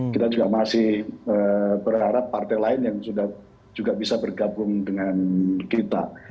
kita juga masih berharap partai lain yang sudah juga bisa bergabung dengan kita